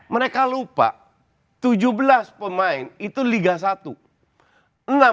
mereka lupa tujuh belas pemain itu liga satu